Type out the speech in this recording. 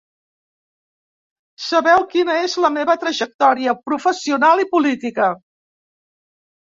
Sabeu quina és la meva trajectòria professional i política.